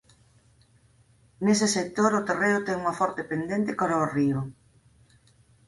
Nese sector o terreo ten unha forte pendente cara o río.